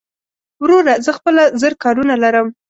وروره زه خپله زر کارونه لرم